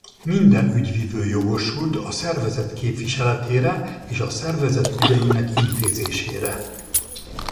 Minden ügyvivő jogosult a szervezet képviseletére és a szervezet ügyeinek intézésére.